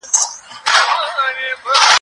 زما په دې وړوکي ژوند کي